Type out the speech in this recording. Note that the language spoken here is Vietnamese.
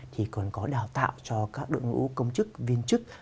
thì còn có đào tạo cho các đội ngũ công chức viên chức